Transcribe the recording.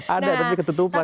ada tapi ketutupan